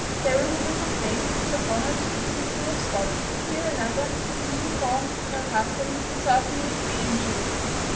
There a woman complained that her bonnet would be full of spots; here, another, that the uniform of her husband would certainly be injured.